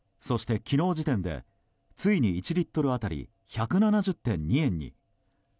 そして、昨日時点でついに１リットル当たり１７０．２円に。